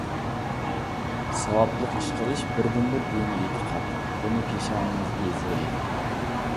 ساۋابلىق ئىش قىلىش بىردىنبىر دىنىي ئېتىقاد، بۇنى پېشانىڭىزگە يېزىۋېلىڭ.